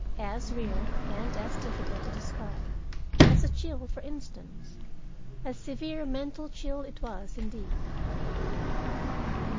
As real and as difficult to describe as a chill, for instance. A severe mental chill it was, indeed.